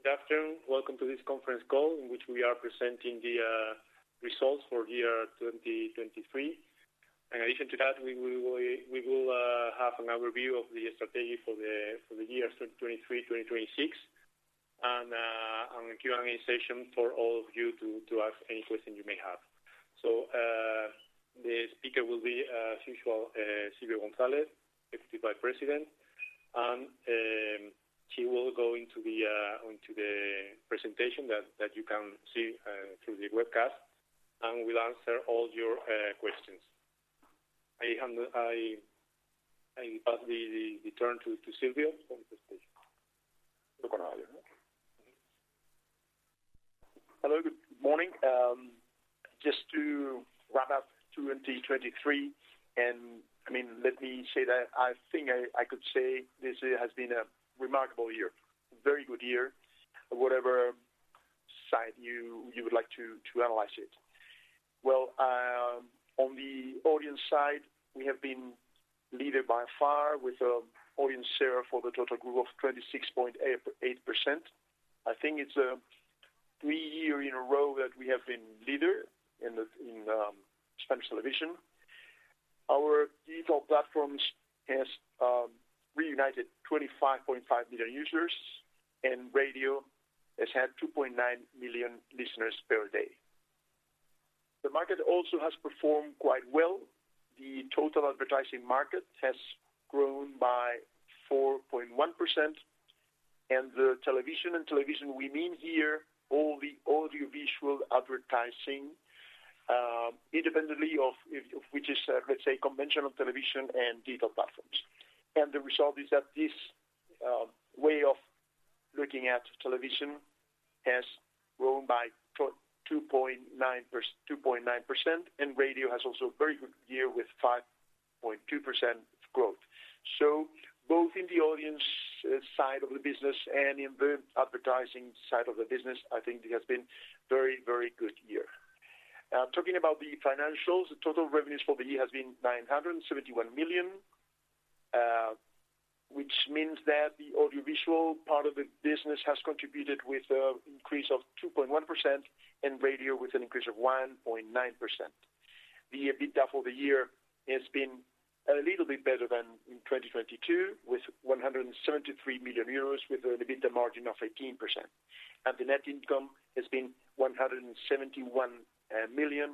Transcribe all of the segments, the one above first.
Hi, good afternoon. Welcome to this conference call, in which we are presenting the results for year 2023. In addition to that, we will have an overview of the strategy for the years 2023-2026, and a Q&A session for all of you to ask any questions you may have. So, the speaker will be, as usual, Silvio González, Executive Vice President, and he will go into the presentation that you can see through the webcast, and will answer all your questions. I pass the turn to Silvio. Hello, good morning. Just to wrap up 2023, and, I mean, let me say that I think I could say this year has been a remarkable year, very good year, whatever side you would like to analyze it. Well, on the audience side, we have been leader by far with audience share for the total group of 26.8%. I think it's three year in a row that we have been leader in the Spanish television. Our digital platforms has reunited 25.5 million users, and radio has had 2.9 million listeners per day. The market also has performed quite well. The total advertising market has grown by 4.1%, and the television, we mean here, all the audiovisual advertising, independently of if, which is, let's say, conventional television and digital platforms. And the result is that this way of looking at television has grown by 2.9%, and radio has also a very good year with 5.2% growth. So both in the audience side of the business and in the advertising side of the business, I think it has been very, very good year. Talking about the financials, the total revenues for the year has been 971 million, which means that the audiovisual part of the business has contributed with an increase of 2.1%, and radio with an increase of 1.9%. The EBITDA for the year has been a little bit better than in 2022, with 173 million euros, with an EBITDA margin of 18%. And the net income has been 171 million,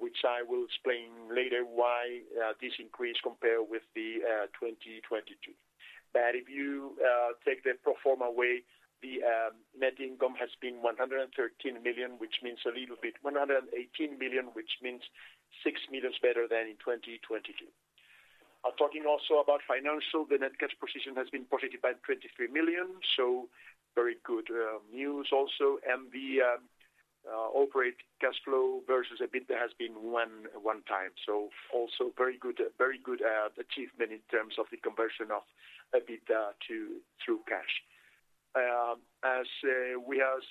which I will explain later why this increase compared with the 2022. But if you take the pro forma away, the net income has been 113 million, which means a little bit—one hundred and eighteen million, which means 6 million better than in 2022. Talking also about financial, the net cash position has been positive by 23 million, so very good news also. And the operate cash flow versus EBITDA has been 1x, so also very good, very good achievement in terms of the conversion of EBITDA to through cash. We have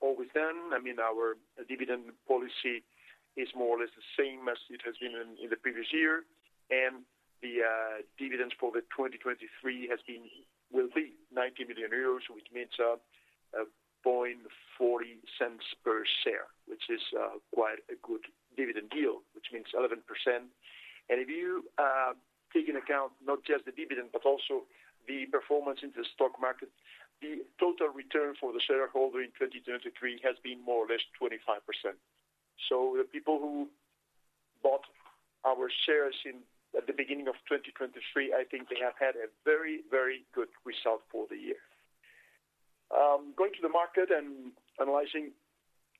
always done, I mean, our dividend policy is more or less the same as it has been in the previous year, and the dividends for 2023 has been--will be 90 million euros, which means point forty cents per share, which is quite a good dividend deal, which means 11%. And if you take into account not just the dividend, but also the performance in the stock market, the total return for the shareholder in 2023 has been more or less 25%. So the people who bought our shares in--at the beginning of 2023, I think they have had a very, very good result for the year. Going to the market and analyzing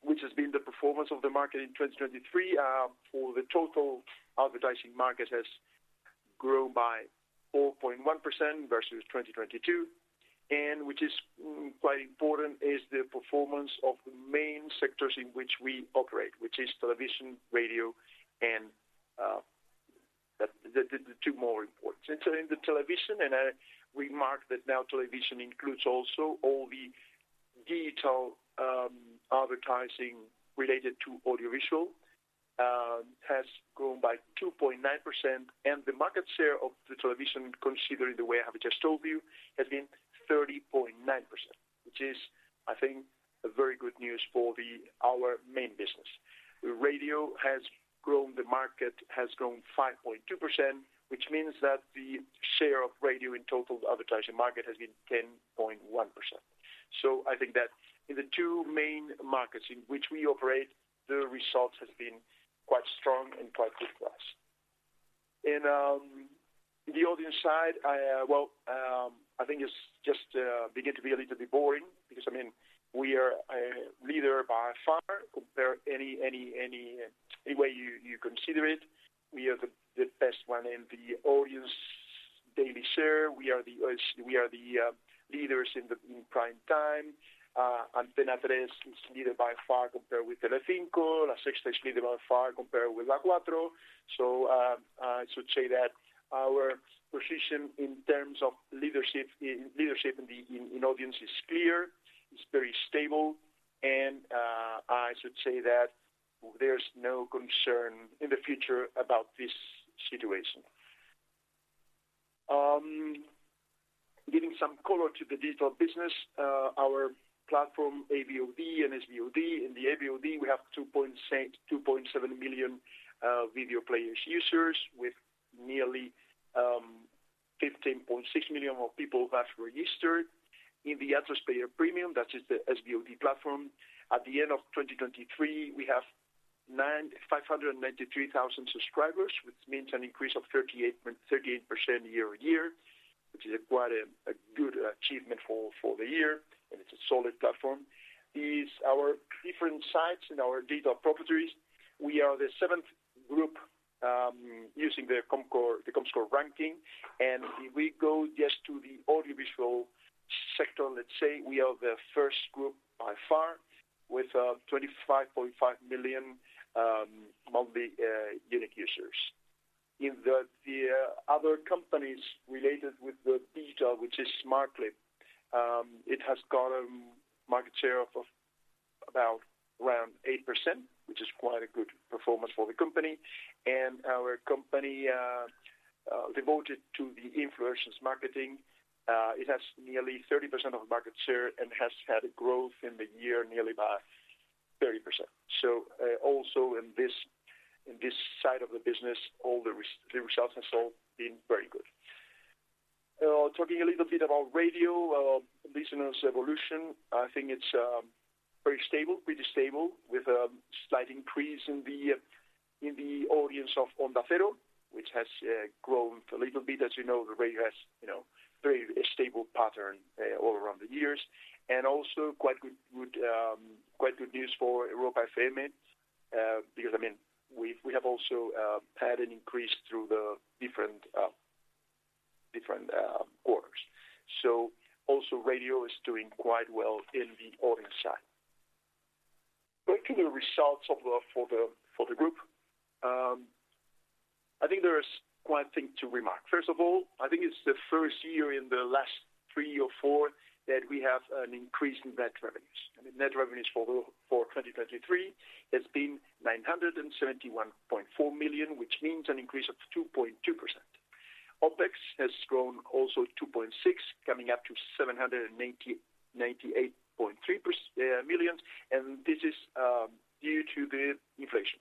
which has been the performance of the market in 2023, for the total advertising market has grown by 4.1% versus 2022, and which is quite important, is the performance of the main sectors in which we operate, which is television, radio, and the two more important. And so in the television, and I remark that now television includes also all the digital advertising related to audiovisual, has grown by 2.9%, and the market share of the television, considering the way I have just told you, has been 30.9%, which is, I think, a very good news for our main business. The radio has grown, the market has grown 5.2%, which means that the share of radio in total advertising market has been 10.1%. So I think that in the two main markets in which we operate, the results has been quite strong and quite good for us. In the audience side, I well, I think it's just begin to be a little bit boring because, I mean, we are a leader by far, compare any way you consider it. We are the best one in the audience daily share. We are the leaders in prime time. Antena 3 is leader by far compared with Telecinco. La Sexta is leader by far compared with La Cuatro. I should say that our position in terms of leadership in the audience is clear, it's very stable, and I should say that there's no concern in the future about this situation. Giving some color to the digital business, our platform, AVOD and SVOD. In the AVOD, we have 2.7 million video players users with nearly 15.6 million more people that registered. In the Atresplayer Premium, that is the SVOD platform, at the end of 2023, we have 593 thousand subscribers, which means an increase of 38% year-over-year, which is quite a good achievement for the year, and it's a solid platform. These are our different sites and our digital properties. We are the seventh group, using the Comscore ranking, and if we go just to the audiovisual sector, let's say, we are the first group by far, with 25.5 million monthly unique users. In the other companies related with the digital, which is Smartclip, it has got a market share of about around 8%, which is quite a good performance for the company. And our company devoted to the influencers marketing, it has nearly 30% of the market share and has had a growth in the year, nearly by 30%. So, also in this side of the business, all the results has all been very good. Talking a little bit about radio, listeners evolution, I think it's very stable, pretty stable, with a slight increase in the audience of Onda Cero, which has grown a little bit. As you know, the radio has, you know, very stable pattern all around the years, and also quite good news for Europa FM, because, I mean, we have also had an increase through the different quarters. So also radio is doing quite well in the audience side. Going to the results for the group, I think there is one thing to remark. First of all, I think it's the first year in the last three or four that we have an increase in net revenues. I mean, net revenues for 2023 has been 971.4 million, which means an increase of 2.2%. OpEx has grown also 2.6%, coming up to 798.3 million, and this is due to the inflation.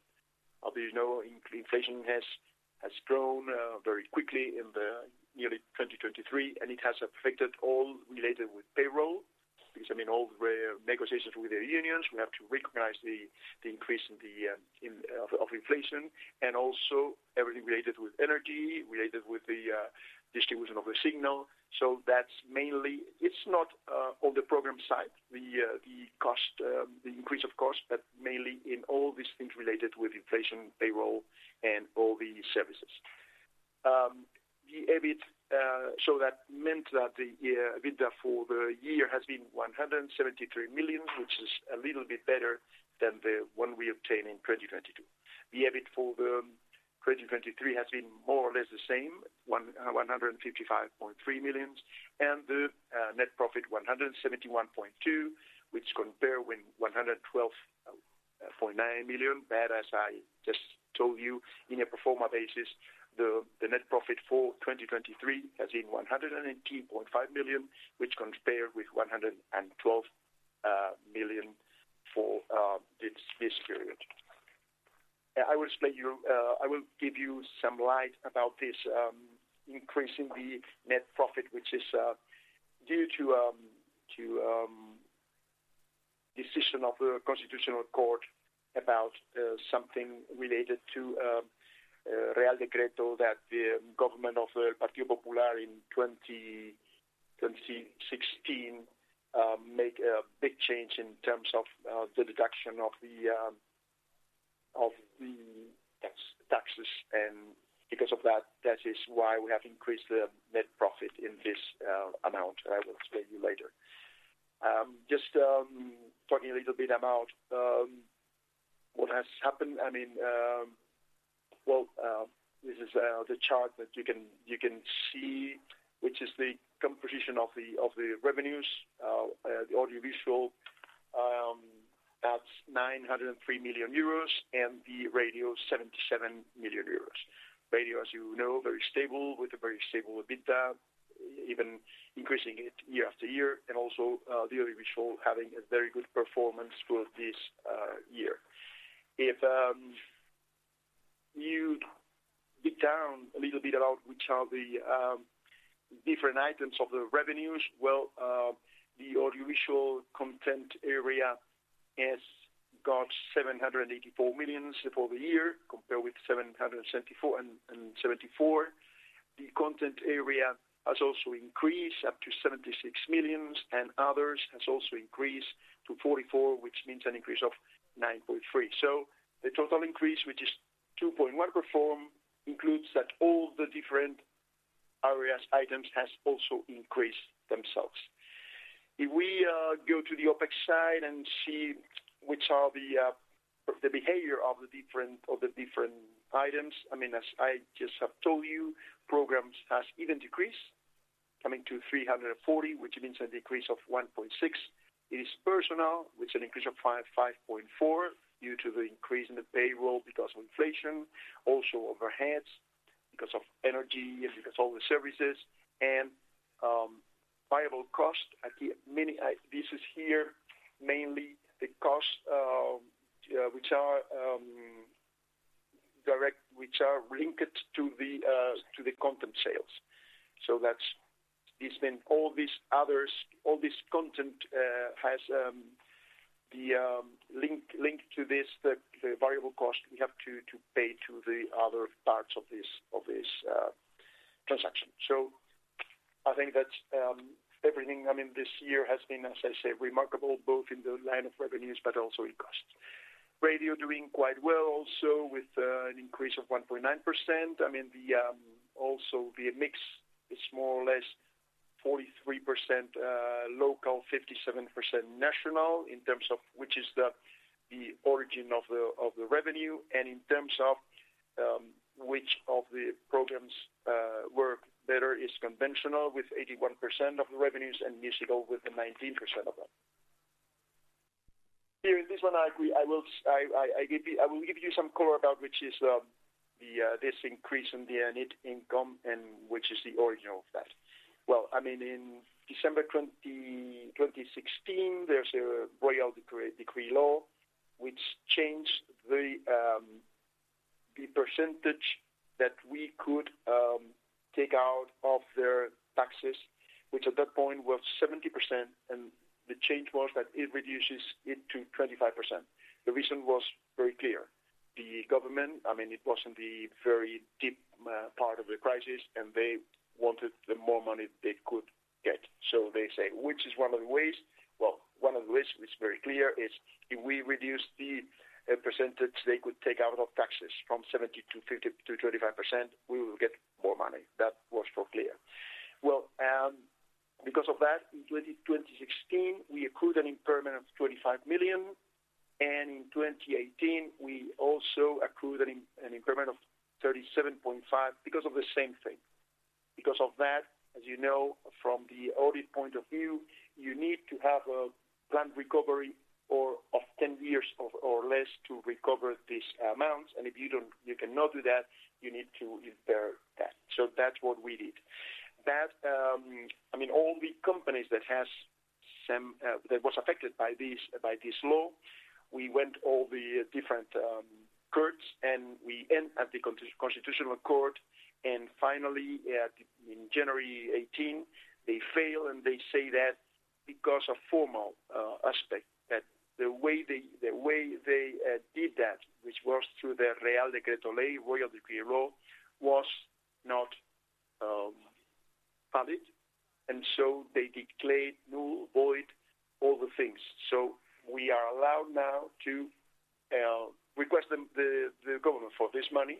As you know, inflation has grown very quickly in the nearly 2023, and it has affected all related with payroll, because, I mean, all the negotiations with the unions, we have to recognize the increase in the inflation, and also everything related with energy, related with the distribution of the signal. So that's mainly. It's not on the program side, the cost, the increase of cost, but mainly in all these things related with inflation, payroll, and all the services. The EBIT, so that meant that the EBITDA for the year has been 173 million, which is a little bit better than the one we obtained in 2022. The EBIT for the 2023 has been more or less the same, $155.3 million, and the net profit, $171.2, which compare with $112.9 million. But as I just told you, in a pro forma basis, the net profit for 2023 has been $118.5 million, which compare with $112 million for this period. I will explain you... I will give you some light about this, increase in the net profit, which is due to decision of the Constitutional Court about something related to Real Decreto, that the government of the Partido Popular in 2016 make a big change in terms of the deduction of the taxes. And because of that, that is why we have increased the net profit in this amount, and I will explain you later. Just talking a little bit about what has happened. I mean, well, this is the chart that you can see, which is the composition of the revenues. The audiovisual, that's 903 million euros, and the radio, 77 million euros. Radio, as you know, very stable, with a very stable EBITDA, even increasing it year after year, and also, the audiovisual having a very good performance for this year. If you dig down a little bit about which are the different items of the revenues, well, the audiovisual content area has got 784 million for the year, compared with 774 million. The content area has also increased up to 76 million, and others has also increased to 44 million, which means an increase of 9.3. So the total increase, which is 2.1%, includes that all the different areas, items, has also increased themselves. If we go to the OpEx side and see which are the behavior of the different items, I mean, as I just have told you, programs has even decreased, coming to 340, which means a decrease of 1.6. It is personnel, with an increase of 5.4 due to the increase in the payroll because of inflation. Also overheads, because of energy and because all the services. And variable cost, I think mainly the cost which are direct, which are linked to the content sales. So that's this then all these others, all this content has the link to this, the variable cost we have to pay to the other parts of this transaction. So I think that's everything. I mean, this year has been, as I said, remarkable, both in the line of revenues, but also in costs. Radio doing quite well, also with an increase of 1.9%. I mean, also the mix is more or less 43%, local, 57% national, in terms of which is the origin of the revenue, and in terms of which of the programs work better is conventional, with 81% of the revenues, and musical with the 19% of them. Here, this one, I agree, I will give you some color about which is this increase in the net income and which is the origin of that. Well, I mean, in December 20, 2016, there's a royal decree, decree law, which changed the percentage that we could take out of their taxes, which at that point was 70%, and the change was that it reduces it to 25%. The reason was very clear. The government, I mean, it was in the very deep part of the crisis, and they wanted the more money they could get. So they say, which is one of the ways... Well, one of the ways, it's very clear, is if we reduce the percentage they could take out of taxes from 70% to 50% to 25%, we will get more money. That was so clear. Well, because of that, in 2016, we accrued an impairment of 25 million, and in 2018, we also accrued an impairment of 37.5 because of the same thing. Because of that, as you know, from the audit point of view, you need to have a planned recovery of 10 years or less to recover these amounts, and if you don't, you cannot do that, you need to impair that. So that's what we did. That... I mean, all the companies that has some that was affected by this, by this law, we went all the different courts, and we end at the Constitutional Court, and finally, in January 2018, they fail, and they say that because of formal aspect, that the way they, the way they did that, which was through the Real Decreto-Ley, Royal Decree Law, was not valid, and so they declared null, void, all the things. So we are allowed now to request them, the government for this money,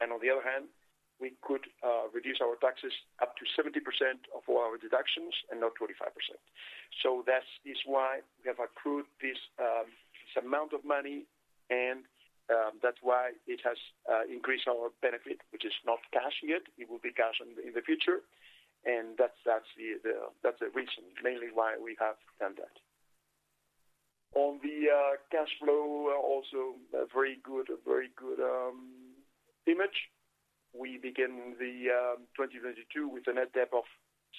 and on the other hand, we could reduce our taxes up to 70% of all our deductions and not 25%. So that is why we have accrued this amount of money, and that's why it has increased our benefit, which is not cash yet. It will be cash in the future, and that's the reason, mainly why we have done that. On the cash flow, also a very good image. We begin the 2022 with a net debt of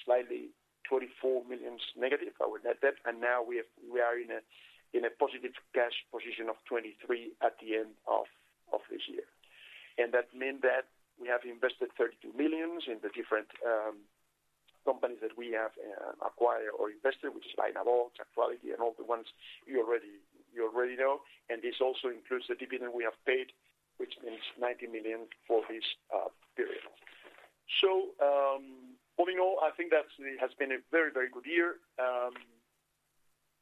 slightly 24 million negative, our net debt, and now we are in a positive cash position of 23 million at the end of this year. And that meant that we have invested 32 million in the different companies that we have acquired or invested, which is [Linavo], Ac2ality, and all the ones you already know. And this also includes the dividend we have paid, which means 90 million for this period. So, all in all, I think that it has been a very, very good year.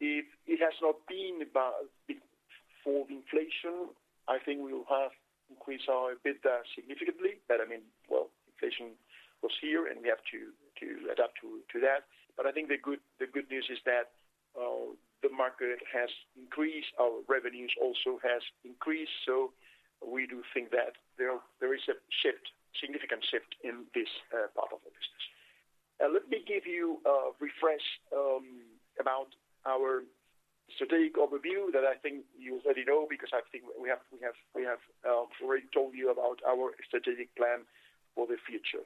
If it has not been about before inflation, I think we will have increased our EBITDA significantly. But I mean, well, inflation was here, and we have to adapt to that. But I think the good news is that the market has increased, our revenues also has increased, so we do think that there is a significant shift in this part of the business. Let me give you a refresh about our strategic overview that I think you already know, because I think we have already told you about our strategic plan for the future.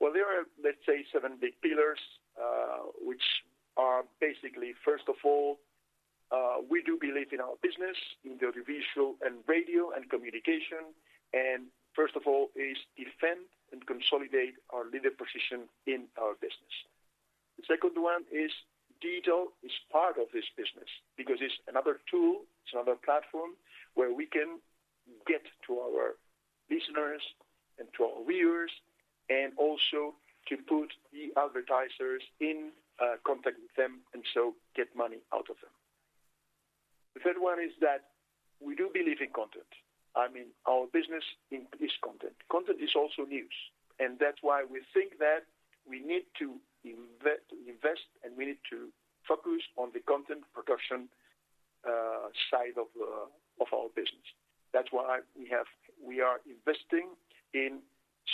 Well, there are, let's say, seven big pillars, which are basically, first of all, we do believe in our business, in the audiovisual and radio and communication, and first of all, is defend and consolidate our leader position in our business. The second one is digital is part of this business because it's another tool, it's another platform where we can get to our listeners and to our viewers, and also to put the advertisers in contact with them, and so get money out of them. The third one is that we do believe in content. I mean, our business is content. Content is also news, and that's why we think that we need to invest, and we need to focus on the content production side of our business. That's why we are investing in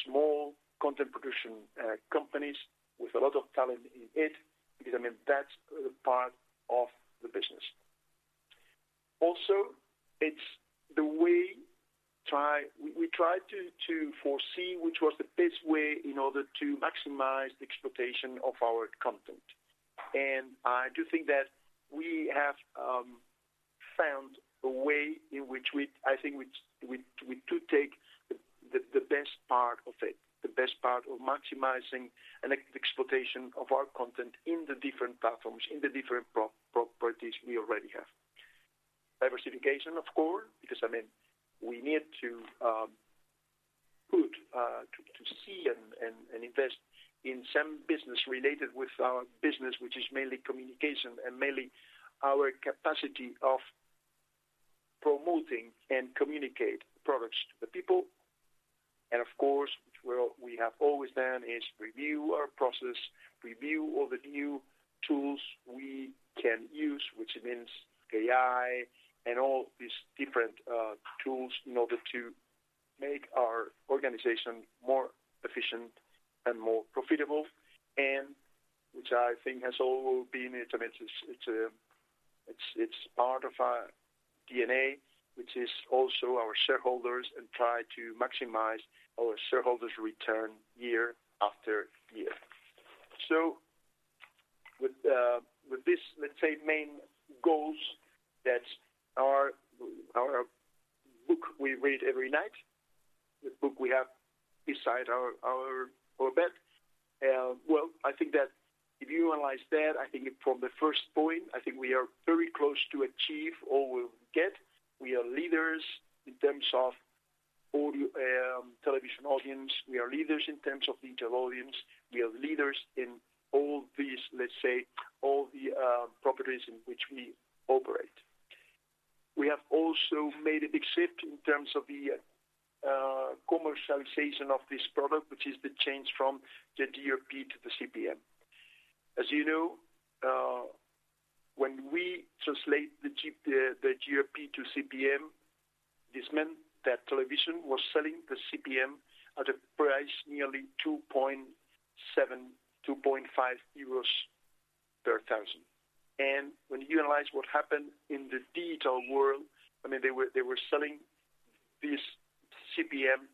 small content production companies with a lot of talent in it, because, I mean, that's the part of the business. Also, it's the way we try to foresee which was the best way in order to maximize the exploitation of our content. I do think that we have found a way in which I think we do take the best part of it, the best part of maximizing and exploitation of our content in the different platforms, in the different properties we already have. Diversification, of course, because, I mean, we need to see and invest in some business related with our business, which is mainly communication and mainly our capacity of promoting and communicate products to the people. Of course, which we all have always done is review our process, review all the new tools we can use, which means AI and all these different tools in order to make our organization more efficient and more profitable, and which I think has all been, I mean, it's part of our DNA, which is also our shareholders, and try to maximize our shareholders' return year after year. So with this, let's say, main goals, that's our book we read every night, the book we have beside our bed. Well, I think that if you analyze that, I think from the first point, I think we are very close to achieve or will get. We are leaders in terms of audio, television audience. We are leaders in terms of digital audience. We are leaders in all these, let's say, all the properties in which we operate. We have also made a big shift in terms of the commercialization of this product, which is the change from the GRP to the CPM. As you know, when we translate the GRP to CPM, this meant that television was selling the CPM at a price nearly 2.7, 2.5 euros per thousand. And when you analyze what happened in the digital world, I mean, they were selling this CPM,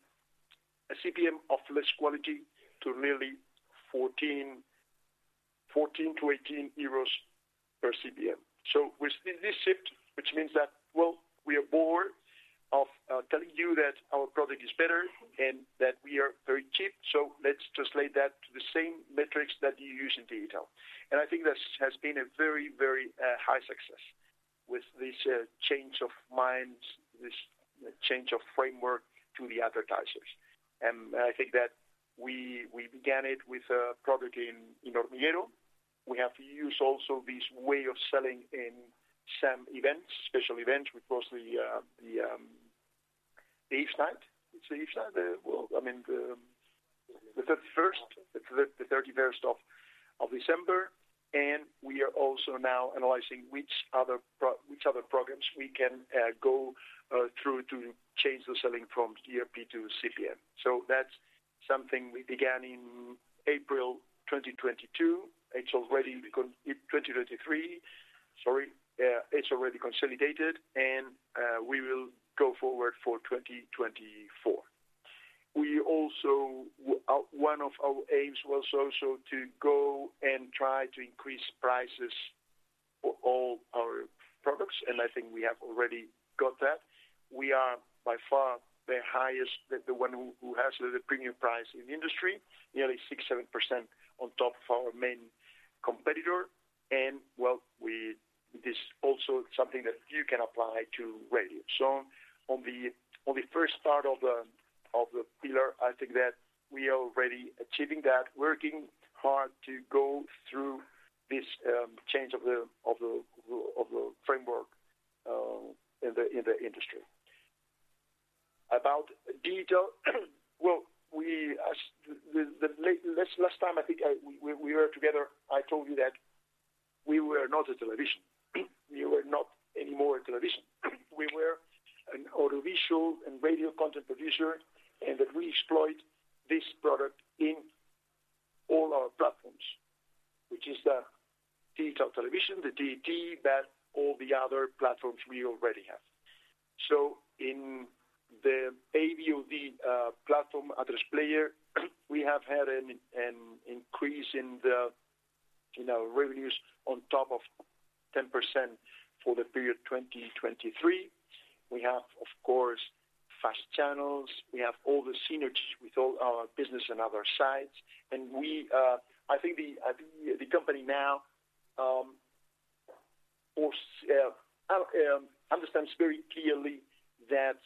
a CPM of less quality to nearly 14-18 euros per CPM. So with this shift, which means that, well, we are bored of telling you that our product is better and that we are very cheap, so let's translate that to the same metrics that you use in detail. I think this has been a very, very high success with this change of mind, this change of framework to the advertisers. I think that we began it with a product in Hormiguero. We have to use also this way of selling in some events, special events, across the Eve's night. It's the Eve's night? Well, I mean, the thirty-first of December, and we are also now analyzing which other programs we can go through to change the selling from GRP to CPM. So that's something we began in April 2022. It's already 2023, sorry. It's already consolidated, and we will go forward for 2024. We also, one of our aims was also to go and try to increase prices for all our products, and I think we have already got that. We are by far the highest, the one who has the premium price in the industry, nearly 6%-7% on top of our main competitor, and well, it is also something that you can apply to radio. So on the first part of the pillar, I think that we are already achieving that, working hard to go through this change of the framework in the industry. About digital, well, we as the last time I think we were together, I told you that we were not a television. We were not anymore a television. We were an audiovisual and radio content producer, and that we exploit this product in all our platforms, which is the digital television, the DTT, that all the other platforms we already have. So in the AVOD platform, Atresplayer, we have had an increase in our revenues on top of 10% for the period 2023. We have, of course, FAST channels. We have all the synergies with all our business and other sides. And we, I think the company now more understands very clearly that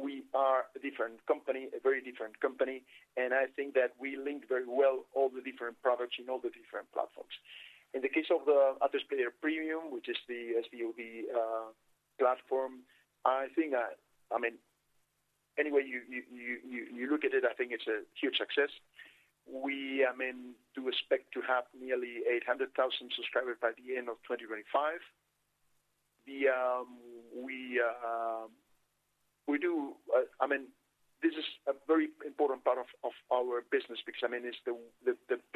we are a different company, a very different company, and I think that we link very well all the different products in all the different platforms. In the case of the Atresplayer Premium, which is the SVOD platform, I think, I mean, any way you look at it, I think it's a huge success. We, I mean, do expect to have nearly 800,000 subscribers by the end of 2025. I mean, this is a very important part of our business because, I mean, it's the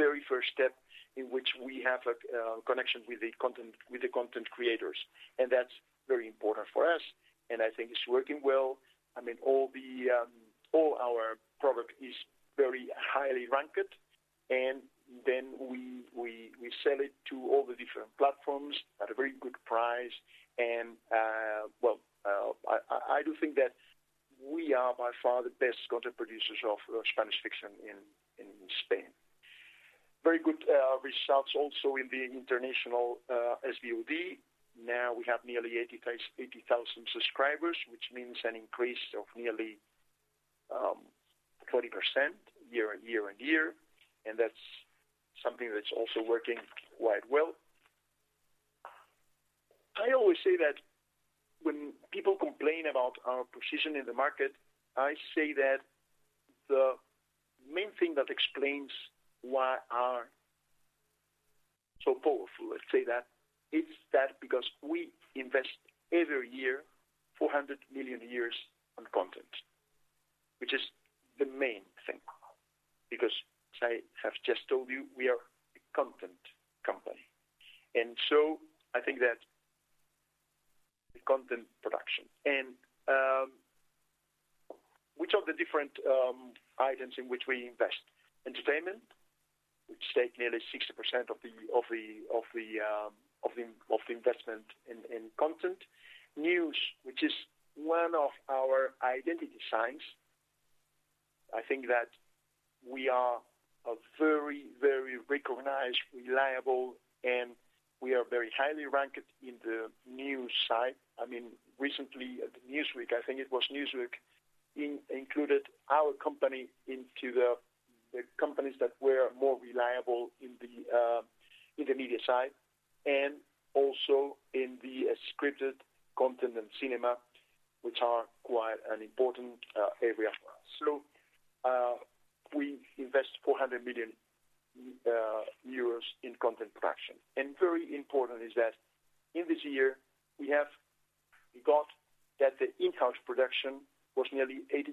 very first step in which we have a connection with the content, with the content creators, and that's very important for us, and I think it's working well. I mean, all our product is very highly ranked, and then we sell it to all the different platforms at a very good price. Well, I do think that we are by far the best content producers of Spanish fiction in Spain. Very good results also in the international SVOD. Now we have nearly 80,000 subscribers, which means an increase of nearly 30% year-on-year, and that's something that's also working quite well. I always say that when people complain about our position in the market, I say that the main thing that explains why are so powerful, let's say that, is that because we invest every year 400 million on content, which is the main thing, because as I have just told you, we are a content company. So I think that the content production. Which of the different items in which we invest? Entertainment, which take nearly 60% of the investment in content. News, which is one of our identity signs. I think that we are a very, very recognized, reliable, and we are very highly ranked in the news side. I mean, recently, Newsweek, I think it was Newsweek, included our company into the companies that were more reliable in the media side, and also in the scripted content and cinema, which are quite an important area for us. So, we invest 400 million euros in content production. And very important is that in this year, we have got that the in-house production was nearly 82%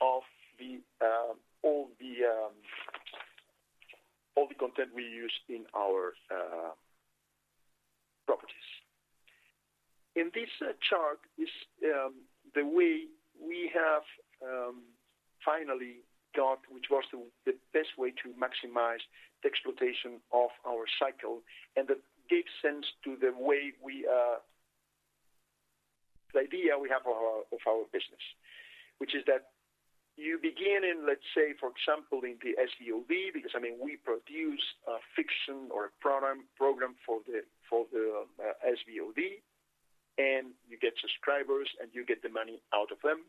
of all the content we use in our properties. In this chart is the way we have finally got, which was the best way to maximize the exploitation of our cycle, and that gives sense to the way we have, the idea we have of our business, which is that you begin in, let's say, for example, in the SVOD, because, I mean, we produce a fiction or a program for the SVOD, and you get subscribers, and you get the money out of them.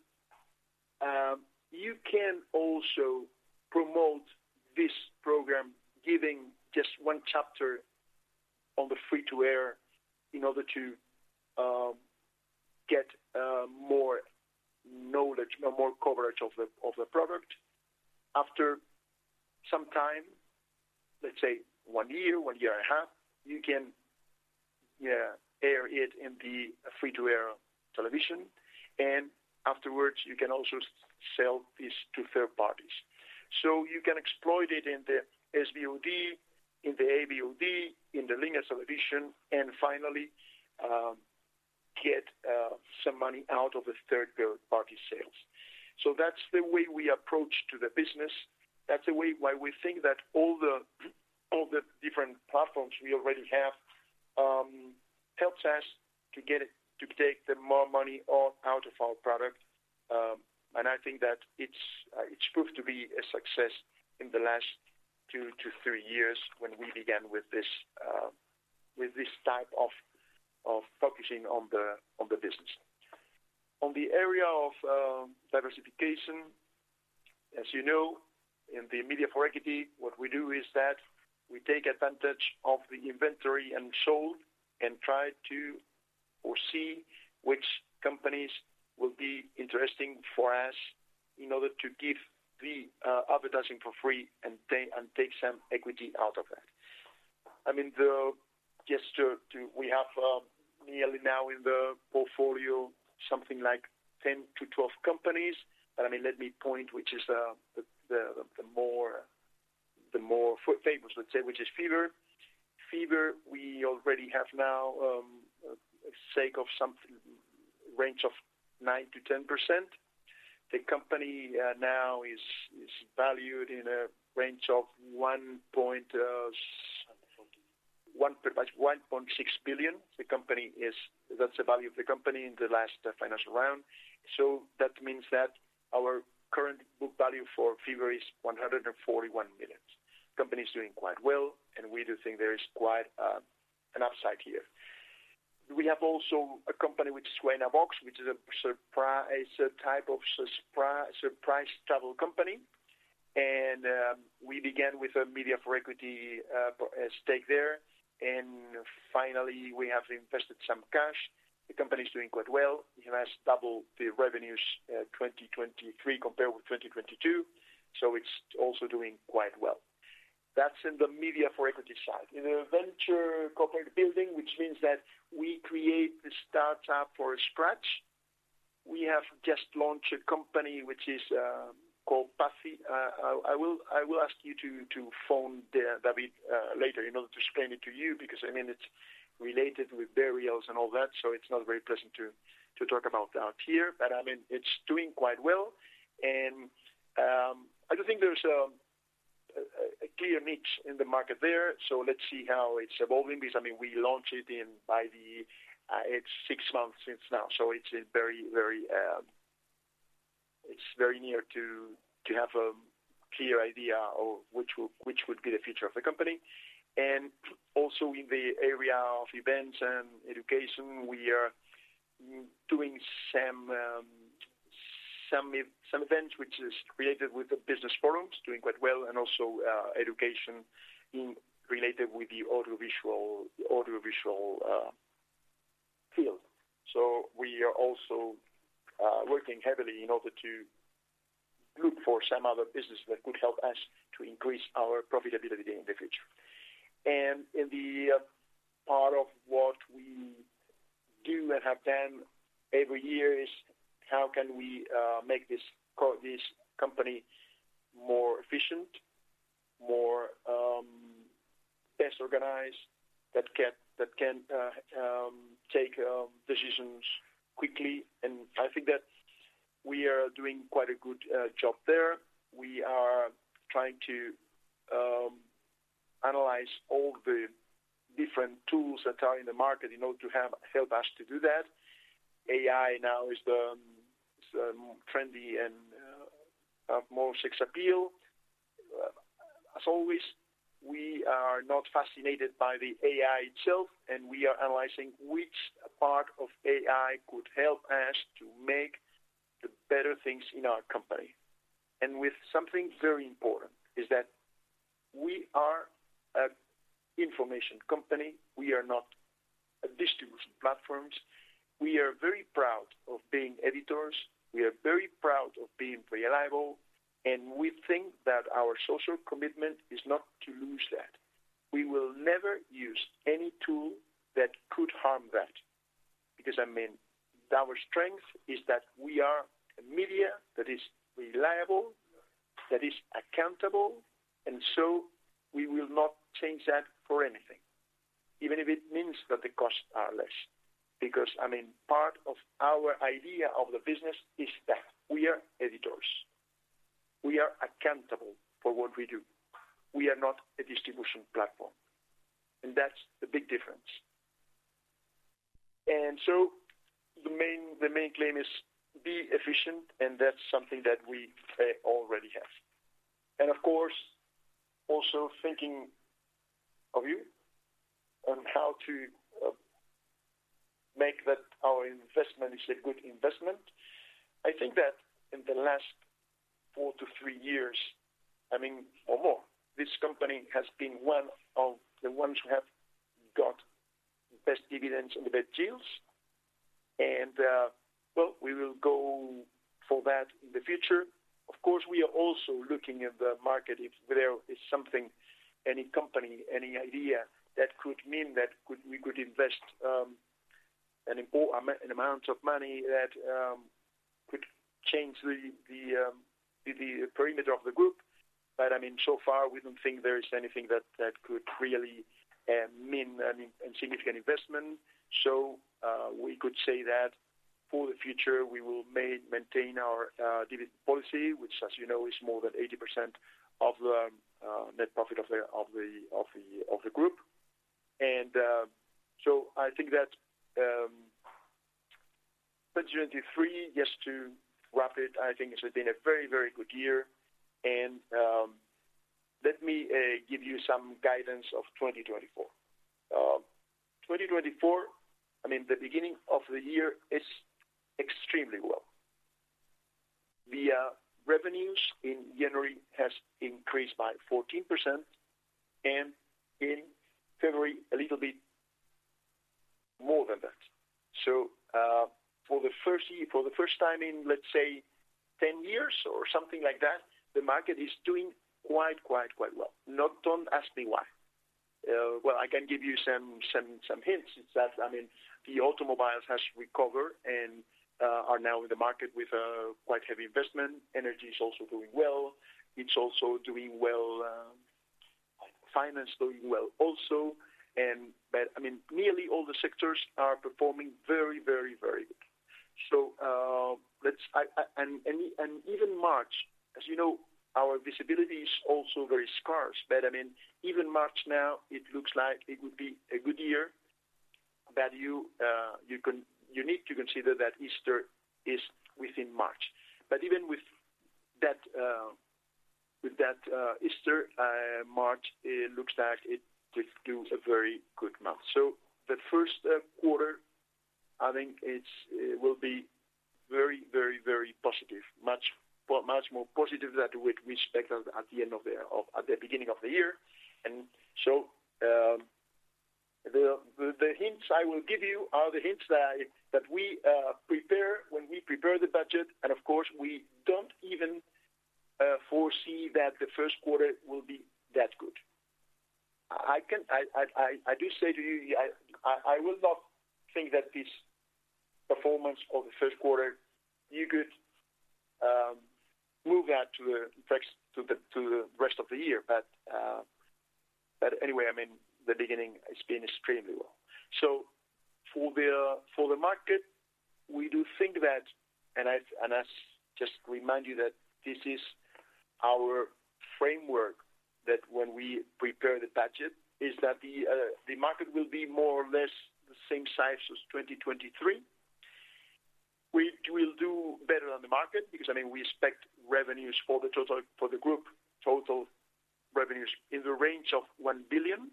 You can also promote this program, giving just one chapter on the free-to-air in order to get more knowledge or more coverage of the product. After some time, let's say one year and a half, you can, yeah, air it in the free-to-air television, and afterwards, you can also sell this to third parties. So you can exploit it in the SVOD, in the AVOD, in the linear television, and finally, get some money out of the third-party sales. So that's the way we approach to the business. That's the way why we think that all the, all the different platforms we already have, helps us to get to take the more money out of our product. And I think that it's, it's proved to be a success in the last two to three years when we began with this, with this type of, of focusing on the, on the business. On the area of diversification, as you know, in the media for equity, what we do is that we take advantage of the inventory and sold and try to foresee which companies will be interesting for us in order to give the advertising for free and take some equity out of that. I mean... Just to—we have nearly now in the portfolio something like 10-12 companies. But, I mean, let me point which is the more famous, let's say, which is Fever. Fever, we already have now a stake of something range of 9%-10%. The company now is valued in a range of one point— One forty. 1.6 billion. The company is, that's the value of the company in the last financial round. So that means that our current book value for Fever is 141 million. Company is doing quite well, and we do think there is quite an upside here. We have also a company, which is Waynabox, which is a surprise, a type of surprise travel company. And we began with a media for equity stake there, and finally, we have invested some cash. The company is doing quite well. It has doubled the revenues 2023 compared with 2022, so it's also doing quite well. That's in the media for equity side. In the venture corporate building, which means that we create the startup from scratch, we have just launched a company which is called Pati. I will ask you to phone David later in order to explain it to you, because, I mean, it's related with burials and all that, so it's not very pleasant to talk about that here. But, I mean, it's doing quite well, and I do think there's a clear niche in the market there, so let's see how it's evolving, because, I mean, we launched it in by the... It's six months since now, so it's very near to have a clear idea of which would be the future of the company. Also in the area of events and education, we are doing some events, which is created with the business forums, doing quite well, and also education in related with the audiovisual field. So we are also working heavily in order to look for some other business that could help us to increase our profitability in the future. And in the part of what we do and have done every year is how can we make this company more efficient, more best organized, that can take decisions quickly? And I think that we are doing quite a good job there. We are trying to analyze all the different tools that are in the market in order to have help us to do that. AI now is the trendy and have more sex appeal. As always, we are not fascinated by the AI itself, and we are analyzing which part of AI could help us to make the better things in our company. With something very important is that we are a information company, we are not a distribution platforms. We are very proud of being editors, we are very proud of being reliable, and we think that our social commitment is not to lose that. We will never use any tool that could harm that, because, I mean, our strength is that we are a media that is reliable, that is accountable, and so we will not change that for anything, even if it means that the costs are less. Because, I mean, part of our idea of the business is that we are editors. We are accountable for what we do. We are not a distribution platform, and that's the big difference. So the main, the main claim is be efficient, and that's something that we already have. Of course, also thinking of you on how to make that our investment is a good investment. I think that in the last four to three years, I mean, or more, this company has been one of the ones who have got the best dividends and the best deals, and well, we will go for that in the future. Of course, we are also looking at the market, if there is something, any company, any idea that could mean that we could invest an amount of money that could change the perimeter of the group. But I mean, so far, we don't think there is anything that could really mean a significant investment. So, we could say that for the future, we will maintain our dividend policy, which, as you know, is more than 80% of the net profit of the group. And, so I think that, 2023, just to wrap it, I think it has been a very, very good year, and, let me give you some guidance of 2024. 2024, I mean, the beginning of the year is extremely well. The revenues in January has increased by 14%, and in February, a little bit more than that. So, for the first time in, let's say, 10 years or something like that, the market is doing quite, quite, quite well. Don't ask me why. Well, I can give you some hints. It's that, I mean, the automobiles has recovered and are now in the market with a quite heavy investment. Energy is also doing well. It's also doing well. Finance doing well also. But I mean, nearly all the sectors are performing very, very, very good. So, and even March, as you know, our visibility is also very scarce, but I mean, even March now, it looks like it would be a good year, but you need to consider that Easter is within March. But even with that, Easter, March, it looks like it could do a very good month. So the first quarter I think it will be very, very, very positive, much more positive than what we expected at the beginning of the year. And so, the hints I will give you are the hints that we prepare when we prepare the budget, and of course, we don't even foresee that the first quarter will be that good. I do say to you, I will not think that this performance of the first quarter you could move that to the next, to the rest of the year. But anyway, I mean, the beginning has been extremely well. So for the market, we do think that, and I just remind you that this is our framework, that when we prepare the budget, is that the market will be more or less the same size as 2023. We will do better on the market because, I mean, we expect revenues for the total—for the group, total revenues in the range of 1 billion.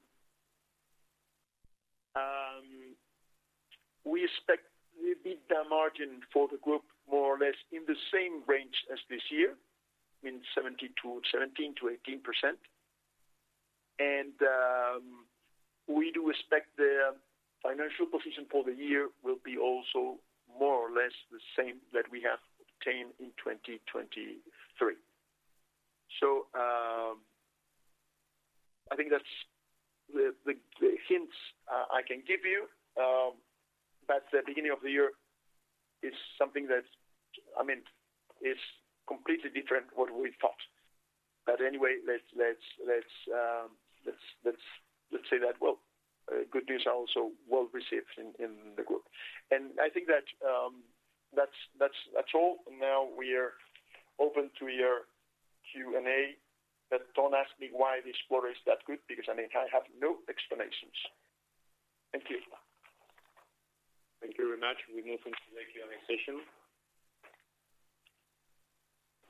We expect the EBITDA margin for the group more or less in the same range as this year, I mean, 17%-18%. And we do expect the financial position for the year will be also more or less the same that we have obtained in 2023. So I think that's the hints I can give you. But the beginning of the year is something that, I mean, it's completely different what we thought. But anyway, let's say that, well, good news are also well received in the group. And I think that, that's all. Now we are open to your Q&A, but don't ask me why this quarter is that good, because, I mean, I have no explanations. Thank you. Thank you very much. We're moving to the Q&A session.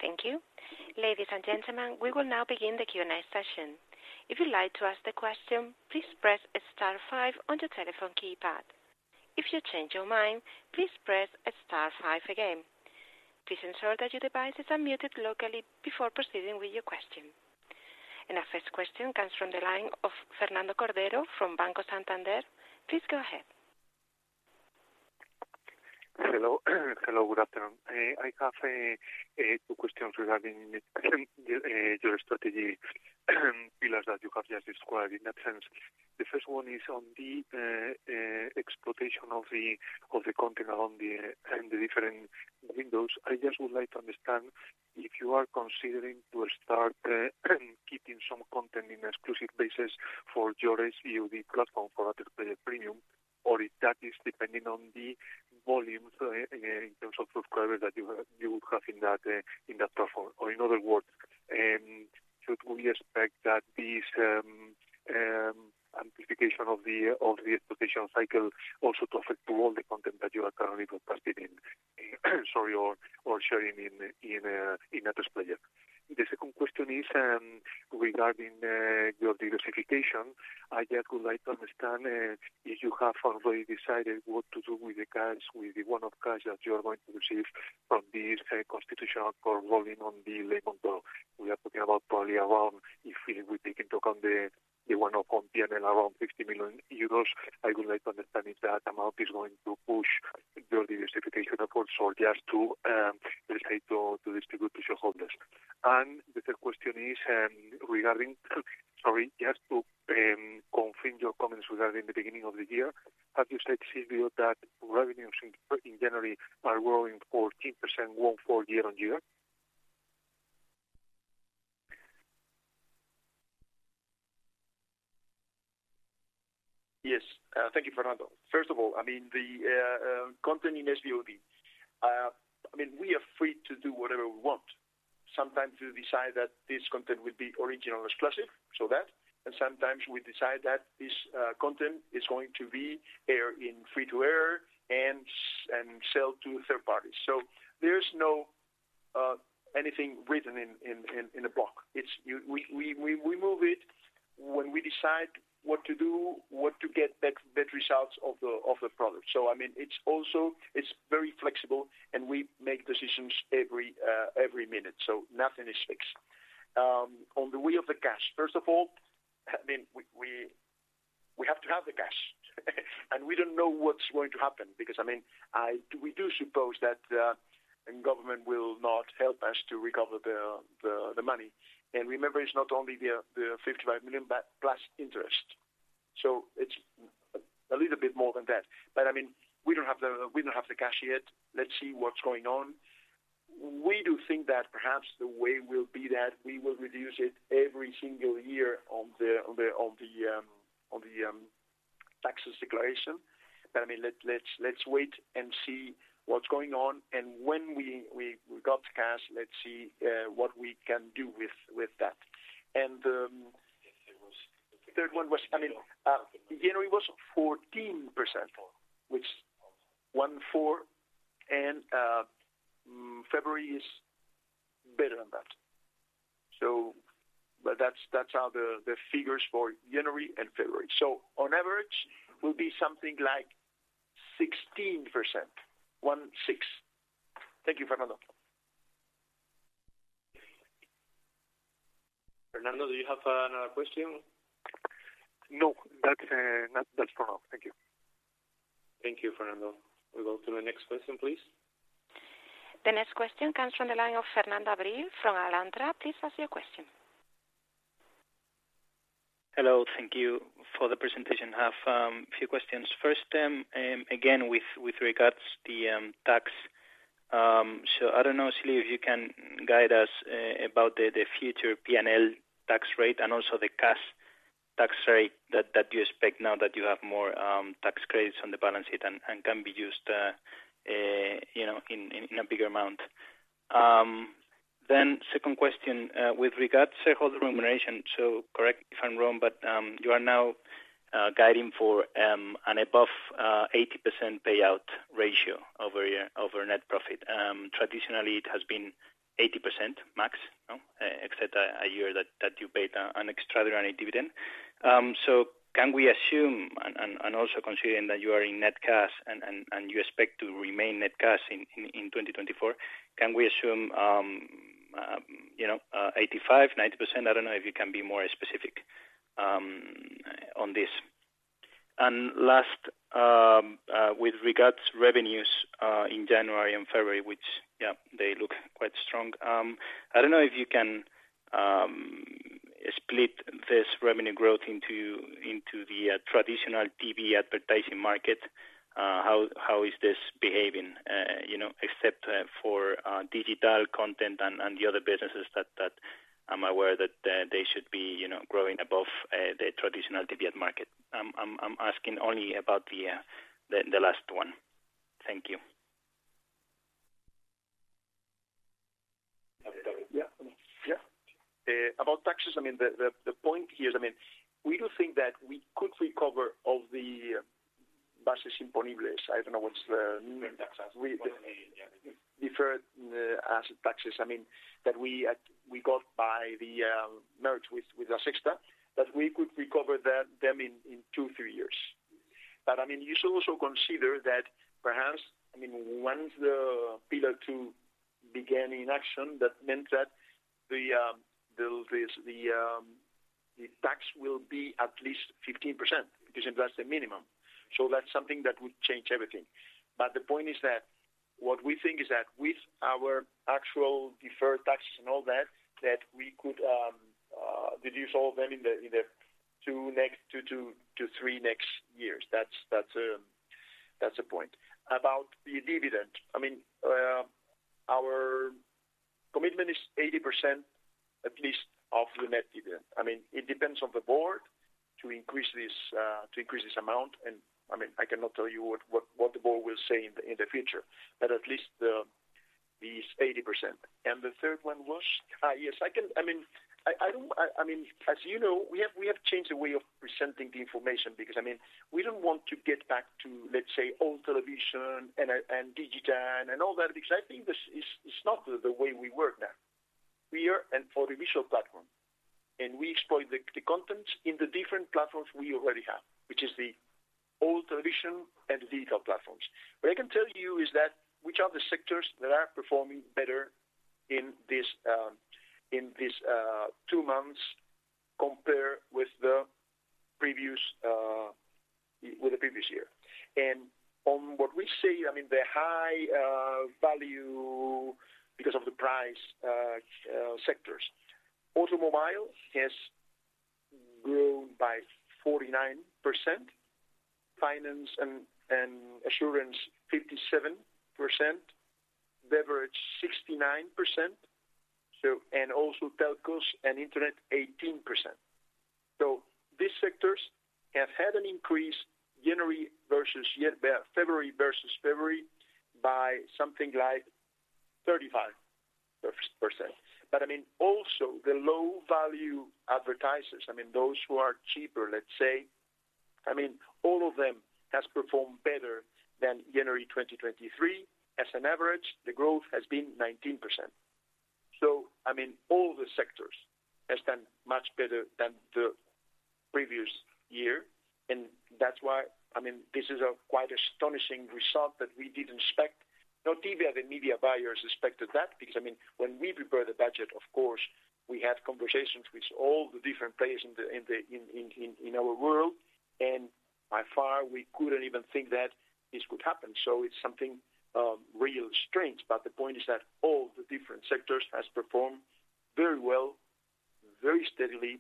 Thank you. Ladies and gentlemen, we will now begin the Q&A session. If you'd like to ask the question, please press star five on your telephone keypad. If you change your mind, please press star five again. Please ensure that your devices are muted locally before proceeding with your question. Our first question comes from the line of Fernando Cordero from Banco Santander. Please go ahead. Hello. Hello, good afternoon. I have two questions regarding your strategy pillars that you have just described. In that sense, the first one is on the exploitation of the content on the different windows. I just would like to understand if you are considering to start keeping some content in exclusive basis for your SVOD platform for AtresPlayer Premium, or if that is depending on the volumes in terms of subscribers that you have, you will have in that platform. Or in other words, should we expect that this amplification of the exploitation cycle also to affect to all the content that you are currently investing in, sorry, or sharing in AtresPlayer? The second question is regarding your diversification. I just would like to understand, if you have already decided what to do with the cash, with the one-off cash that you are going to receive from the, Constitutional Court ruling on the Montoro law. We are talking about probably around, if we, we take into account the, the one-off on P&L, around EUR 50 million. I would like to understand if that amount is going to push your diversification efforts or just to, decide to, to distribute to shareholders. And the third question is, regarding, sorry, just to, confirm your comments regarding the beginning of the year. Have you said, Silvio, that revenues in, in January are growing 14% year-on-year? Yes. Thank you, Fernando. First of all, I mean, the content in SVOD, I mean, we are free to do whatever we want. Sometimes we decide that this content will be original exclusive, so that, and sometimes we decide that this content is going to be aired in free-to-air and sell to third parties. So there is no anything written in a block. It's we move it when we decide what to do, what to get better results of the product. So, I mean, it's also, it's very flexible, and we make decisions every minute, so nothing is fixed. On the way of the cash, first of all, I mean, we, we, we have to have the cash, and we don't know what's going to happen because, I mean, we do suppose that the government will not help us to recover the, the, the money. And remember, it's not only the 55 million, but plus interest. So it's a little bit more than that. But I mean, we don't have the, we don't have the cash yet. Let's see what's going on. We do think that perhaps the way will be that we will reduce it every single year on the, on the, on the, on the taxes declaration. But, I mean, let, let's, let's wait and see what's going on, and when we, we, we got the cash, let's see what we can do with, with that. The third one was, I mean, January was 14%, which 14, and February is better than that. So, but that's how the figures for January and February. So on average, will be something like 16%, 16. Thank you, Fernando. Fernando, do you have another question? No, that's, that's for now. Thank you. Thank you, Fernando. We go to the next question, please. The next question comes from the line of Fernando Abril from Alantra. Please ask your question. Hello. Thank you for the presentation. I have a few questions. First, again, with regards to the tax. So I don't know, Silvio, if you can guide us about the future P&L tax rate and also the cash tax rate that you expect now that you have more tax credits on the balance sheet and can be used, you know, in a bigger amount. Then second question, with regards to shareholder remuneration, so correct me if I'm wrong, but you are now guiding for an above 80% payout ratio over net profit. Traditionally, it has been 80% max, no? Except a year that you paid an extraordinary dividend. So can we assume, and also considering that you are in net cash and you expect to remain net cash in 2024, can we assume, you know, 85%-90%? I don't know if you can be more specific on this. And last, with regards revenues in January and February, which, yeah, they look quite strong. I don't know if you can split this revenue growth into the traditional TV advertising market. How is this behaving, you know, except for digital content and the other businesses that I'm aware that they should be, you know, growing above the traditional TV ad market. I'm asking only about the last one. Thank you. Yeah. Yeah. About taxes, I mean, the point here is, I mean, we do think that we could recover all the bases imponibles. I don't know what's the- Deferred taxes. Deferred asset taxes. I mean, that we got by the merge with La Sexta, that we could recover them in two to three years. But, I mean, you should also consider that perhaps, I mean, once the Pillar Two began in action, that meant that the tax will be at least 15%, because that's the minimum. So that's something that would change everything. But the point is that what we think is that with our actual deferred taxes and all that, that we could reduce all of them in the next two to three years. That's the point. About the dividend, I mean, our commitment is 80%, at least of the net dividend. I mean, it depends on the board to increase this, to increase this amount, and, I mean, I cannot tell you what, what, what the board will say in the, in the future, but at least the, the 80%. And the third one was? Yes, I can. I mean, I, I don't, I, I mean, as you know, we have, we have changed the way of presenting the information because, I mean, we don't want to get back to, let's say, old television and and digital and all that, because I think this is, is not the way we work now. We are an audiovisual platform, and we exploit the, the content in the different platforms we already have, which is the old television and digital platforms. What I can tell you is that which are the sectors that are performing better in this, in this, two months compare with the previous, with the previous year. And on what we see, I mean, the high, value because of the price, sectors. Automobile has grown by 49%, finance and, and insurance, 57%, beverage, 69%, so, and also telcos and internet, 18%. So these sectors have had an increase January versus year, February versus February by something like 35%. But I mean, also the low-value advertisers, I mean, those who are cheaper, let's say, I mean, all of them has performed better than January 2023. As an average, the growth has been 19%. So, I mean, all the sectors has done much better than the previous year, and that's why, I mean, this is a quite astonishing result that we didn't expect. Not even the media buyers expected that, because, I mean, when we prepare the budget, of course, we had conversations with all the different players in our world, and by far, we couldn't even think that this would happen. So it's something real strange, but the point is that all the different sectors has performed very well, very steadily.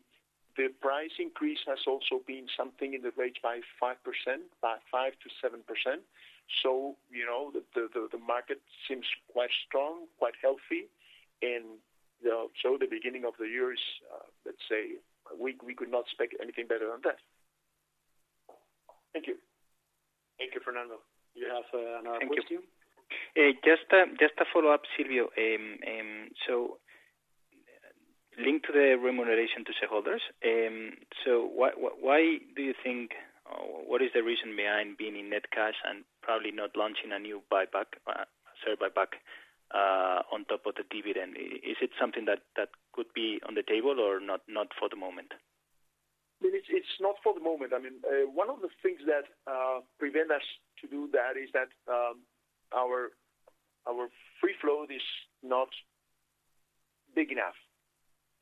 The price increase has also been something in the range by 5%, by 5%-7%. So, you know, the market seems quite strong, quite healthy, and, you know, so the beginning of the year is, let's say, we could not expect anything better than that. Thank you. Thank you, Fernando. You have another question? Thank you. Just a follow-up, Silvio. So linked to the remuneration to shareholders, so why, why, why do you think, what is the reason behind being in net cash and probably not launching a new buyback, share buyback, on top of the dividend? Is it something that, that could be on the table or not, not for the moment? ... I mean, it's not for the moment. I mean, one of the things that prevent us to do that is that our free flow is not big enough.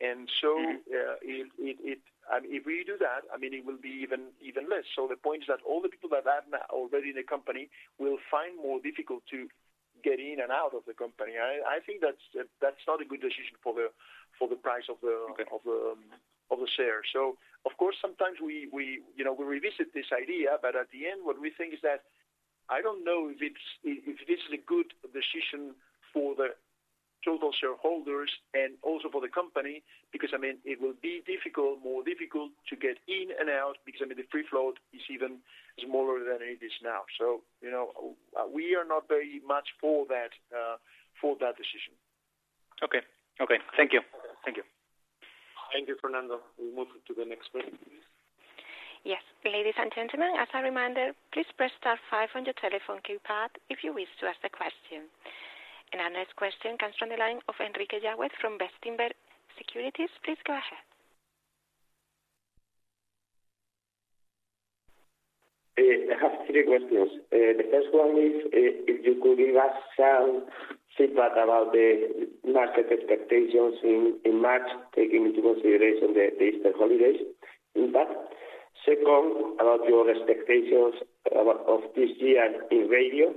And so- Mm-hmm. I mean, if we do that, I mean, it will be even less. So the point is that all the people that are now already in the company will find more difficult to get in and out of the company. I think that's not a good decision for the price of the- Okay. - of the share. So of course, sometimes we you know, we revisit this idea, but at the end, what we think is that I don't know if it's if this is a good decision for the total shareholders and also for the company, because I mean, it will be difficult, more difficult to get in and out, because I mean, the free float is even smaller than it is now. So you know, we are not very much for that decision. Okay. Okay, thank you. Thank you. Thank you, Fernando. We move to the next question, please. Yes. Ladies and gentlemen, as a reminder, please press star five on your telephone keypad if you wish to ask a question. Our next question comes from the line of Enrique Yáguez from Bestinver Securities. Please go ahead. I have three questions. The first one is, if you could give us some feedback about the market expectations in March, taking into consideration the Easter holidays impact. Second, about your expectations about of this year in radio,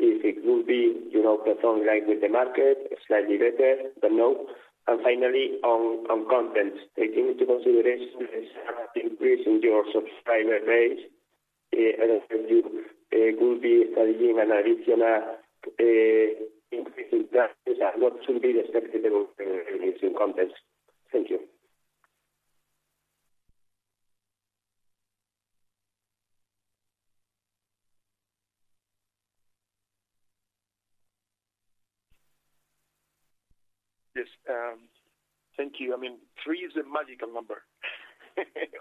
if it will be, you know, perform like with the market, slightly better, but no. And finally, on content, taking into consideration the increase in your subscriber base, and you will be adding an additional increase in that, what should be the acceptable in some context? Thank you. Yes, thank you. I mean, three is a magical number.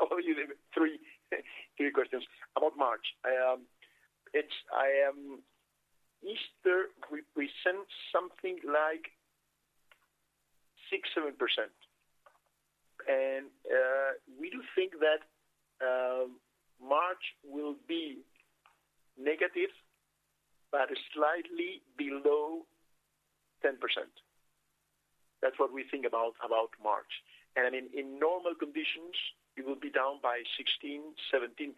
All you need three questions. About March, it's Easter, we sent something like 6, 7%. And we do think that March will be negative, but slightly below 10%. That's what we think about March. And in normal conditions, it will be down by 16, 17%.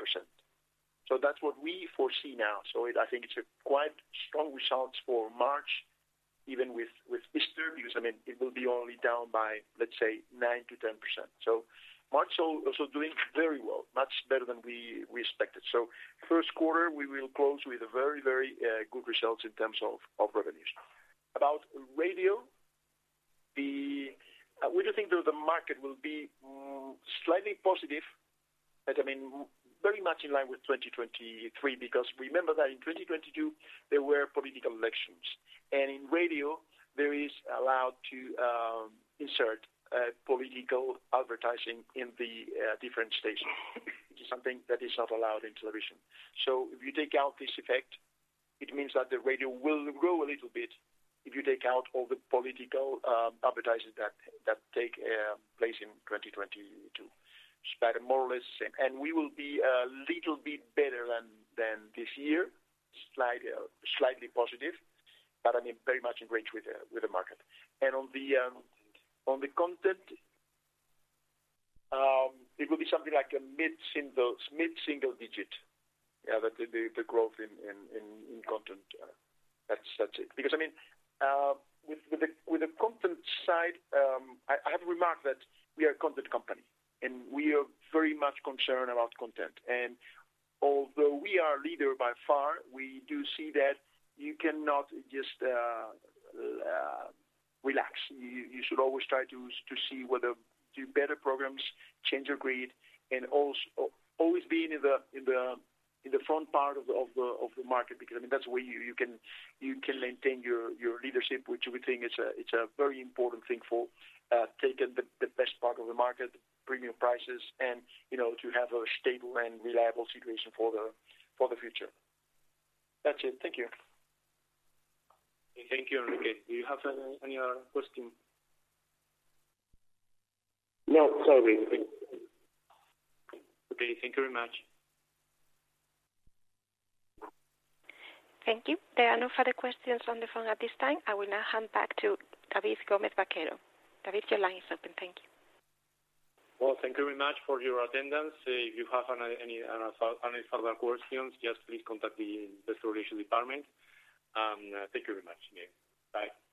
So that's what we foresee now. So I think it's a quite strong results for March, even with Easter, because, I mean, it will be only down by, let's say, 9%-10%. So March also doing very well, much better than we expected. So first quarter, we will close with a very good results in terms of revenues. About radio, we do think that the market will be slightly positive, but I mean, very much in line with 2023, because remember that in 2022, there were political elections, and in radio, there is allowed to insert political advertising in the different stations. It is something that is not allowed in television. So if you take out this effect, it means that the radio will grow a little bit if you take out all the political advertisers that take place in 2022. So, more or less, and we will be a little bit better than this year, slightly positive, but I mean, very much in range with the market. And on the content, it will be something like a mid-single digit. Yeah, that's the growth in content. That's it. Because, I mean, with the content side, I have remarked that we are a content company, and we are very much concerned about content. And although we are a leader by far, we do see that you cannot just relax. You should always try to see whether do better programs, change your grid, and always being in the front part of the market, because, I mean, that's where you can maintain your leadership, which we think is a, it's a very important thing for taking the best part of the market, premium prices, and, you know, to have a stable and reliable situation for the future. That's it. Thank you. Thank you, Enrique. Do you have any other question? No, sorry. Okay, thank you very much. Thank you. There are no further questions on the phone at this time. I will now hand back to David Gómez Baquero. David, your line is open. Thank you. Well, thank you very much for your attendance. If you have any further questions, just please contact the Investor Relations department, and thank you very much again. Bye.